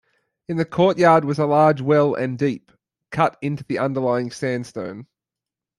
In the courtyard was a large well and deep, cut into the underlying sandstone.